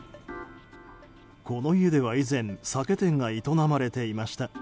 この家では以前酒店が営まれていました。